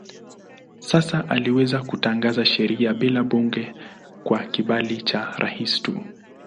Sasa aliweza kutangaza sheria bila bunge kwa kibali cha rais tu.